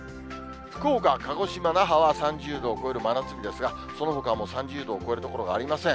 福岡、鹿児島、那覇は３０度を超える真夏日ですが、そのほかはもう３０度を超える所がありません。